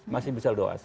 masih bisa luas